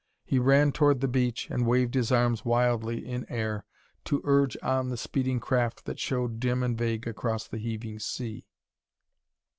He ran toward the beach and waved his arms wildly in air to urge on the speeding craft that showed dim and vague across the heaving sea.